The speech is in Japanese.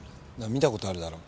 見たことあるだろ？